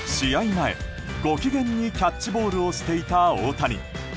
前、ご機嫌にキャッチボールをしていた大谷。